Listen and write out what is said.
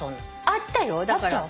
あったよだから。